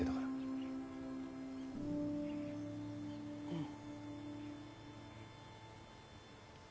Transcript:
うん。